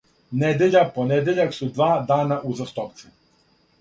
недеља понедељак су два дана узастопце